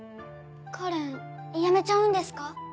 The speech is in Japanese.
花恋やめちゃうんですか？